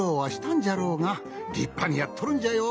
じゃろうがりっぱにやっとるんじゃよ。